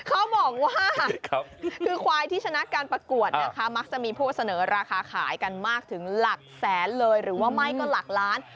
เขาบอกว่าคือควายที่ชนะการประกวดนะคะมักจะมีผู้เสนอราคาขายกันมากถึงหลักแสนเลยหรือว่าไม่ก็หลักล้าน